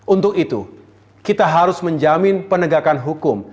untuk itu kita harus menjamin penegakan hukum